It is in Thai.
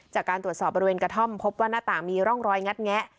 จากการตรวจสอบบริเวณกระท่อมพบว่าหน้าต่างมีร่องรอยงัดแงะ